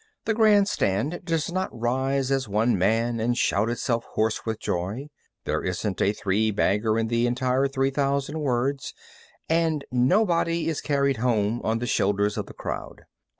The grandstand does not rise as one man and shout itself hoarse with joy. There isn't a three bagger in the entire three thousand words, and nobody is carried home on the shoulders of the crowd.